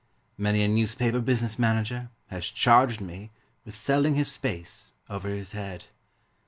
Many a newspaper business manager Has charged me With selling his space Over his head.